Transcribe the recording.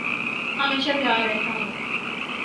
ہمیشہ تیار رہتا ہوں